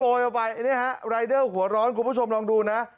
เอาไปอันนี้ฮะรายเดอร์หัวร้อนคุณผู้ชมลองดูนะ